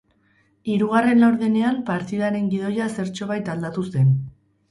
Hirugarren laurdenean partidaren gidoia zertxobait aldatu zen.